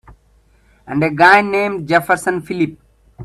And a guy named Jefferson Phillip.